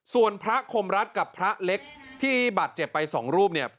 ส่วนพระคมรัฐกับพระเล็กที่บาดเจ็บไปสองรูปเนี่ย